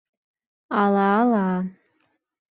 — Ала-ала.